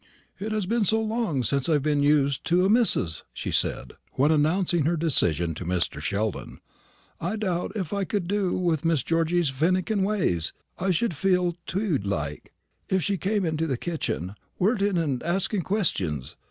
"It's so long since I've been used to a missus," she said, when announcing her decision to Mr. Sheldon, "I doubt if I could do with Miss Georgy's finnickin ways. I should feel tewed like, if she came into the kitchen, worritin' and asking questions.